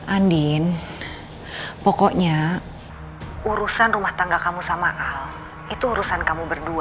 andin pokoknya urusan rumah tangga kamu sama al itu urusan kamu berdua